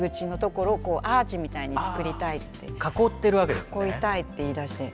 囲いたいって言いだして。